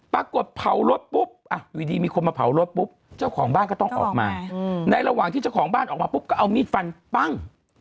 ปรากฏเผารถปุ๊บอยู่ดีมีคนมาเผารถปุ๊บเจ้าของบ้านก็ต้องออกมาในระหว่างที่เจ้าของบ้านออกมาปุ๊บก็เอามีดฟันปั้ง